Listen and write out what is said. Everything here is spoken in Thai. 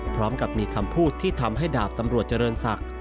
พร้อมกับมีคำพูดที่ทำให้ดาบตำรวจเจริญศักดิ์